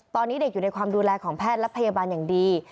ตอนนี้เด็กอยู่ในความดูแลของแพทย์และพยาบาลอย่างดี